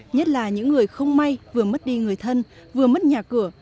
nhất là những người không may vừa mất đi người thân vừa mất nhà cửa